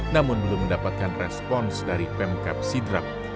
namun belum mendapatkan respons dari pemkap sidrap